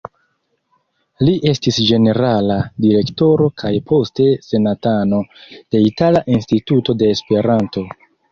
Li estis ĝenerala direktoro kaj poste senatano de Itala Instituto de Esperanto.